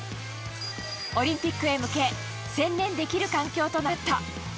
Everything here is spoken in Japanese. オリンピックへ向け専念できる環境となった。